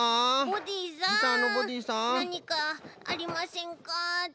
なにかありませんか？と。